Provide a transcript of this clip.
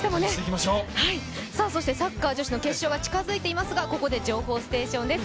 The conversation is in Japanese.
サッカー女子の決勝が近づいていますが、ここで情報ステーションです。